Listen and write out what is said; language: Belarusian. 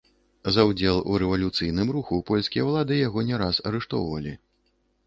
За ўдзел у рэвалюцыйным руху польскія ўлады яго не раз арыштоўвалі.